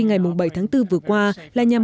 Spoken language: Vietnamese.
ngày bảy tháng bốn vừa qua là nhằm